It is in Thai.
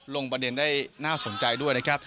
ลงประเด็นได้น่าสนใจด้วยนะครับ